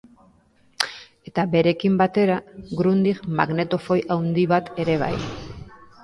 Eta berekin batera Grundig magnetofoi handi bat ere bai.